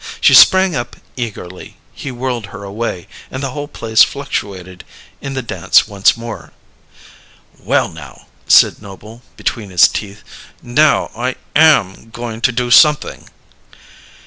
She sprang up eagerly; he whirled her away, and the whole place fluctuated in the dance once more. "Well, now," said Noble, between his teeth "now, I am goin' to do something!"